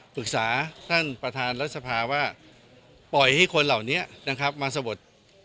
ปรึกษาท่านประธานรัฐสภาว่าปล่อยให้คนเหล่านี้นะครับมาสะบด